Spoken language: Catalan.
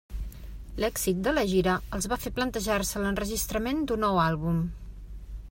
L'èxit de la gira els va fer plantejar-se l'enregistrament d'un nou àlbum.